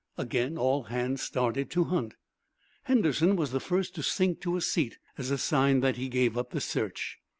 Again all hands started to hunt. Henderson was the first to sink to a seat as a sign that he gave up the search.